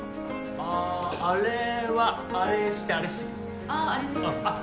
あああれはあれしてあれしてああれですねあっ